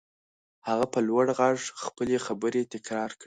هغه په لوړ غږ خپلې خبرې تکرار کړې.